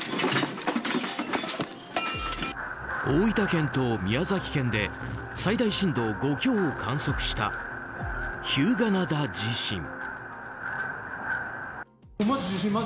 大分県と宮崎県で最大震度５強を観測した日向灘地震。